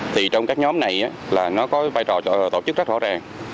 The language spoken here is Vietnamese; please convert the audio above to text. thì trong các nhóm này là nó có vai trò tổ chức rất rõ ràng